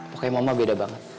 pokoknya mama beda banget